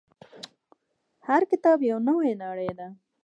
• هر کتاب یو نوی نړۍ ده.